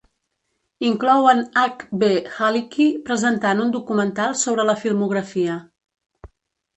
Inclou en H. B. Halicki presentant un documental sobre la filmografia.